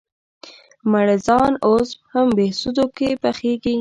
مړزان اوس هم بهسودو کې پخېږي؟